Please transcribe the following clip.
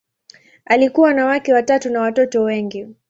Alikuwa na wake watatu na watoto wengi.